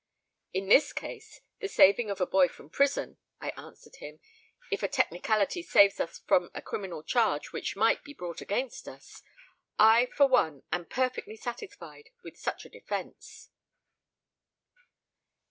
"In this case the saving of a boy from prison" I answered him, "if a technicality saves us from a criminal charge which might be brought against us, I for one am perfectly satisfied with such a defense."